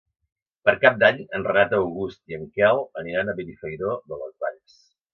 Per Cap d'Any en Renat August i en Quel aniran a Benifairó de les Valls.